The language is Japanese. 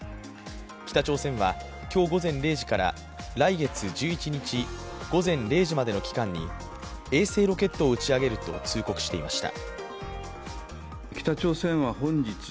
北朝鮮は、今日午前０時から来月１１日午前０時までの期間に衛星ロケットを打ち上げると通告していました。